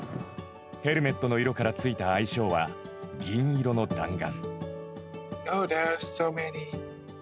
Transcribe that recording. ヘルメットの色からついた愛称は銀色の弾丸。